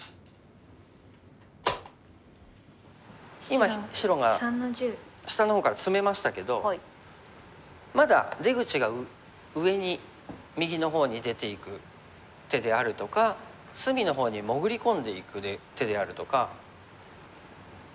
今白が下の方からツメましたけどまだ出口が上に右の方に出ていく手であるとか隅の方に潜り込んでいく手であるとか。